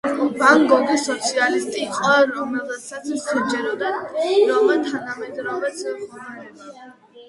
ვან გოგი სოციალისტი იყო, რომელსაც სჯეროდა, რომ თანამედროვე ცხოვრება